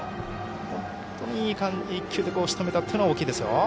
本当に、１球でしとめたのは大きいですよ。